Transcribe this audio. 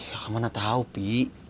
ya kamu gak tau pi